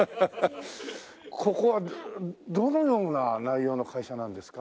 ここはどのような内容の会社なんですか？